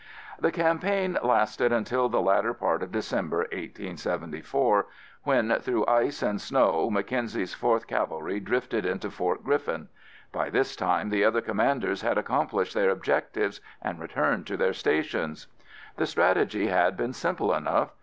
The campaign lasted until the latter part of December, 1874, when through ice and snow, Mackenzie's 4th Cavalry drifted into Fort Griffin. By this time the other commanders had accomplished their objectives and returned to their stations. The strategy had been simple enough.